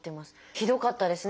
ひどかったですね